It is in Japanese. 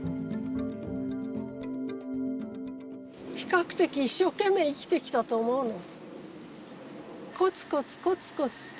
比較的一生懸命生きてきたと思うの。